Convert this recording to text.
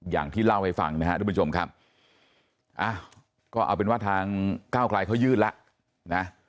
อย่างที่เล่าให้ฟังนะครับทุกผู้ชมครับก็เอาเป็นว่าทางก้าวกลายเขายื่นแล้วนะ